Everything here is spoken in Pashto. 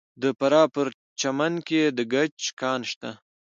د فراه په پرچمن کې د ګچ کان شته.